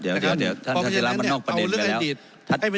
เดี๋ยวท่านท่านเจรัพย์มันนอกประเด็นไปแล้ว